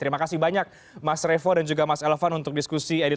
terima kasih banyak mas revo dan juga mas elvan untuk diskusi ini